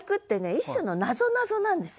一種のなぞなぞなんですよ。